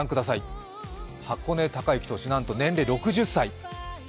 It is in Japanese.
箱根崇行投手、なんと年齢６０歳。